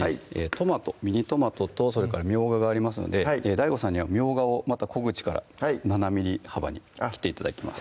トマトミニトマトとそれからみょうががありますのでＤＡＩＧＯさんにはみょうがをまた小口から７ｍｍ幅に切って頂きます